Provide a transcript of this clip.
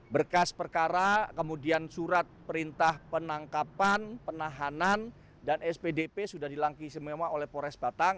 berkas perkara kemudian surat perintah penangkapan penahanan dan spdp sudah dilangki semua oleh polres batang